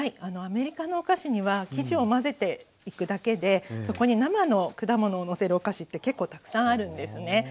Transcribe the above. アメリカのお菓子には生地を混ぜていくだけでそこに生の果物をのせるお菓子って結構たくさんあるんですね。